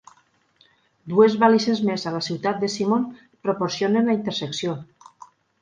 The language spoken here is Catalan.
Dues balises més a la ciutat de Simon proporcionen la intersecció.